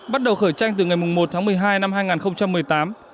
bắt đầu khởi tranh từ ngày một tháng một mươi hai năm hai nghìn một mươi tám